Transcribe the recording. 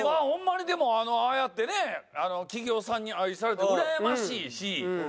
ホンマにでもああやってね企業さんに愛されてうらやましいし。